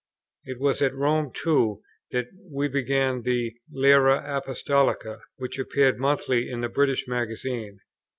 It was at Rome, too, that we began the Lyra Apostolica which appeared monthly in the British Magazine.